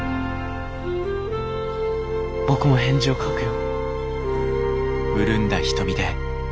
．僕も返事を書くよ。